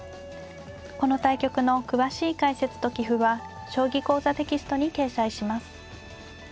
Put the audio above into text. この対局の詳しい解説と棋譜は「将棋講座」テキストに掲載します。